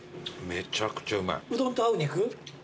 めちゃくちゃ合います。